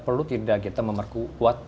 perlu tidak kita memperkuat